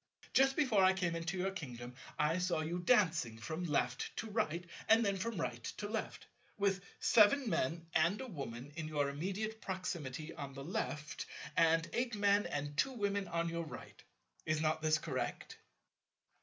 Just before I came into your kingdom, I saw you dancing from left to right, and then from right to left, with Seven Men and a Woman in your immediate proximity on the left, and eight Men and two Women on your right. Is not this correct?"